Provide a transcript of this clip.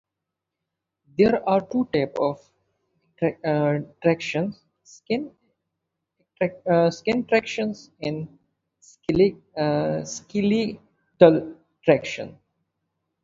There are two types of traction: skin traction and skeletal traction.